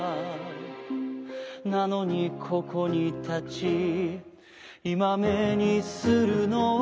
「なのにここにたちいまめにするのは」